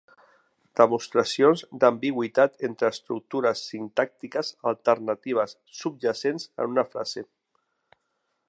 Demostracions d'ambigüitat entre estructures sintàctiques alternatives subjacents en una frase.